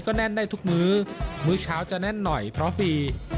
แน่นได้ทุกมื้อมื้อเช้าจะแน่นหน่อยเพราะฟรี